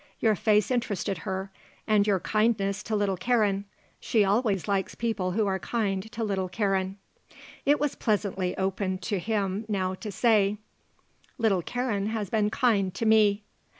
Your face interested her, and your kindness to little Karen. She always likes people who are kind to little Karen." It was pleasantly open to him now to say: "Little Karen has been kind to me."